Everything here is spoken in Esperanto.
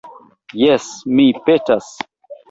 Jes, mi petas.